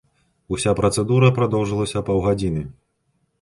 Уся працэдура прадоўжылася паўгадзіны.